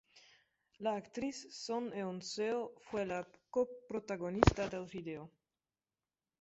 La actriz "Son Eun Seo" fue la coprotagonista del vídeo.